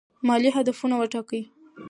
مالي هدفونه وټاکئ.